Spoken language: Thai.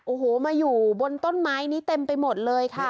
โอ้โหมาอยู่บนต้นไม้นี้เต็มไปหมดเลยค่ะ